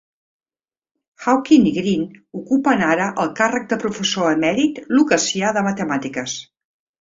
Hawking i Green ocupen ara el càrrec de professor emèrit lucasià de Matemàtiques.